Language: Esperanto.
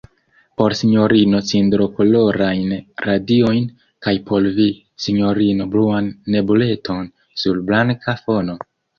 Por sinjorino cindrokolorajn radiojn, kaj por vi, sinjorino, bluan nebuleton sur blanka fono?